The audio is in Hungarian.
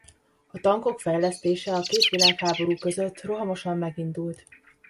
A tankok fejlesztése a két világháború között rohamosan megindult.